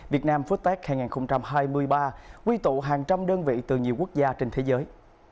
việt nam foodtech hai nghìn hai mươi ba quy tụ hàng trăm đơn vị từ nhiều quốc gia trên thế giới